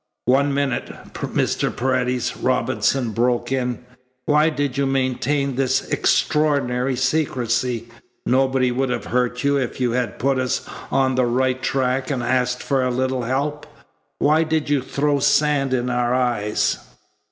"One minute, Mr. Paredes," Robinson broke in. "Why did you maintain this extraordinary secrecy? Nobody would have hurt you if you had put us on the right track and asked for a little help. Why did you throw sand in our eyes?